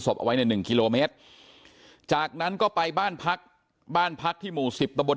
ศพไว้ใน๑กิโลเมตรจากนั้นก็ไปบ้านพักบ้านพักที่หมู่๑๐ตะบน